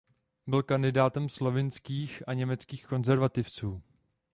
Byl kandidátem slovinských a německých konzervativců.